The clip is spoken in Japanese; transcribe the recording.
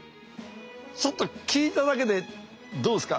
ちょっと聞いただけでどうですか？